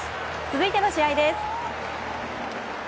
続いての試合です。